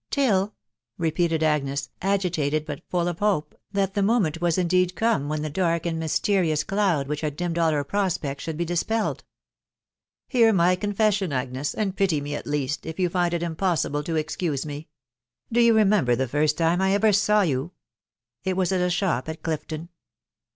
*' a fill !".... repeated Agnes, agitated, bnt full of hope that the moment was indeed come when the dark and mysterious cloud which had dimmed all her prospects should he dispelled. " Hear my confession, Agnes, and pity me at least, if you find it impossible to excuse me ..*. Do you remember the first time that I ever saw yon ?.... It was at a shop at Clifton."